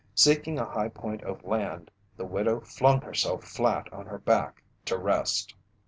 Seeking a high point of land, the widow flung herself flat on her back to rest.